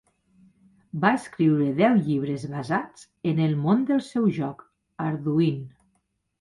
Va escriure deu llibres basats en el món del seu joc "Arduin".